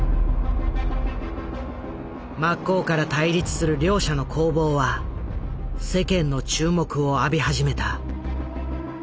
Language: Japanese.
真っ向から対立する両者の攻防は世間の注目を浴び始めた。